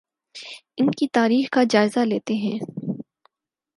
ان کی تاریخ کا جائزہ لیتے ہیں